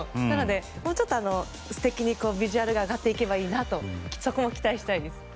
なので、もうちょっと素敵にビジュアルが上がっていけばいいなとそこも期待したいです。